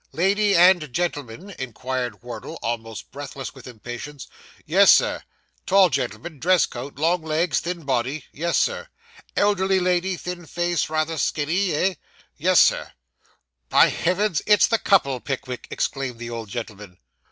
'Lady and gentleman?' inquired Wardle, almost breathless with impatience. 'Yes, sir.' 'Tall gentleman dress coat long legs thin body?' 'Yes, sir.' 'Elderly lady thin face rather skinny eh?' 'Yes, sir.' 'By heavens, it's the couple, Pickwick,' exclaimed the old gentleman.